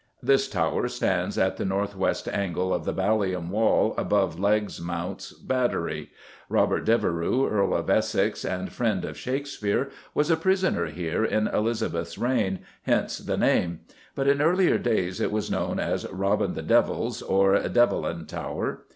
_ This tower stands at the north west angle of the Ballium Wall, above Legge's Mount battery. Robert Devereux, Earl of Essex, and friend of Shakespeare, was a prisoner here in Elizabeth's reign, hence the name; but in earlier days it was known as Robyn the Devyll's, or Develin Tower.